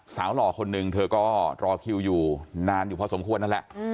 หล่อคนหนึ่งเธอก็รอคิวอยู่นานอยู่พอสมควรนั่นแหละ